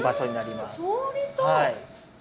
はい。